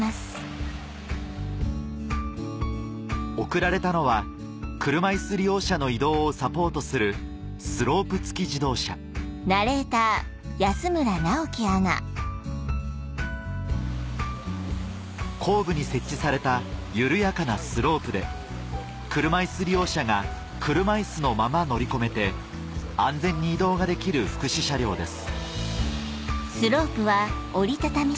贈られたのは車いす利用者の移動をサポートする後部に設置された緩やかなスロープで車いす利用者が車いすのまま乗り込めて安全に移動ができる福祉車両です